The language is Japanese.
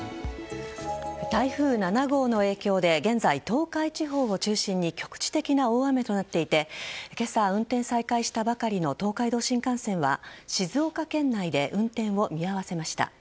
台風７号の影響で現在、東海地方を中心に局地的な大雨となっていて今朝、運転再開したばかりの東海道新幹線は静岡県内で運転を見合わせました。